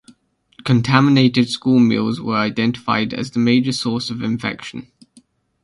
Contaminated school meals were identified as the major source of infection.